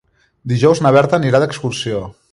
Dijous na Berta anirà d'excursió.